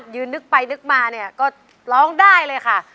นึกไปนึกมาเนี่ยก็ร้องได้เลยค่ะ